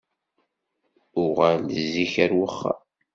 Uɣal-d zik ar wexxam.